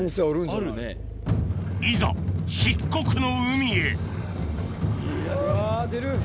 いざ漆黒の海へいや出る。